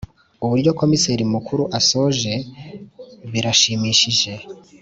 Uburyo Komiseri Mukuru asoje birashimishije